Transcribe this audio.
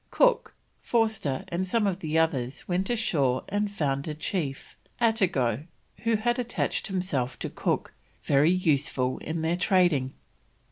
Cook, Forster, and some of the others went ashore and found a chief, Attago, who had attached himself to Cook, very useful in their trading.